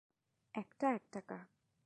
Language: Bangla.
একটা একটাকা।